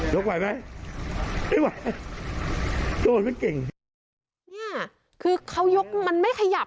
ไหวไหมไม่ไหวโดนไม่เก่งเนี่ยคือเขายกมันไม่ขยับ